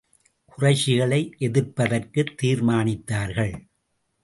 குறைஷிகளை எதிர்ப்பதற்குத் தீர்மானித்தார்கள்.